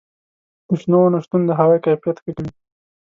د شنو ونو شتون د هوا کیفیت ښه کوي.